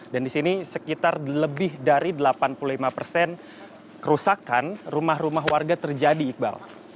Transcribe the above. dan di sini sekitar lebih dari delapan puluh lima persen kerusakan rumah rumah warga terjadi iqbal